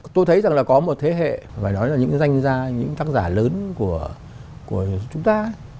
tôi thấy rằng là có một thế hệ phải nói là những cái danh gia những tác giả lớn của chúng ta